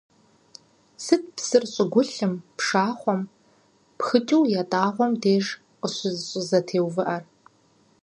Сыт псыр щӀыгулъым, пшахъуэм пхыкӀыу ятӀагъуэм деж къыщӀыщызэтеувыӀэр?